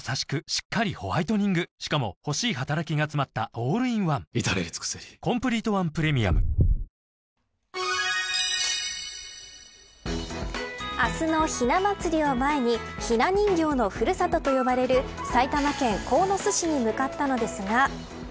しっかりホワイトニングしかも欲しい働きがつまったオールインワン至れり尽せり明日のひな祭りを前にひな人形のふるさとと呼ばれる埼玉県鴻巣市に向かったのですが。